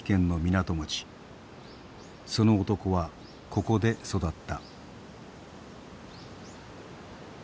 その男はここで育った。